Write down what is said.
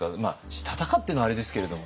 したたかっていうのはあれですけれども。